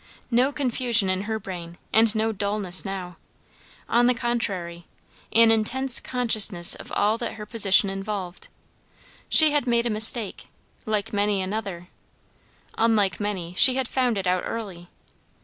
No confusion in her brain, and no dulness now; on the contrary, an intense consciousness of all that her position involved. She had made a mistake, like many another; unlike many, she had found it out early.